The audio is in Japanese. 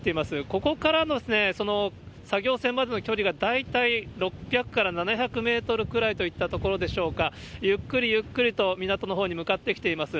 ここからの作業船までの距離が、大体６００から７００メートルくらいといったところでしょうか、ゆっくりゆっくりと港のほうに向かってきています。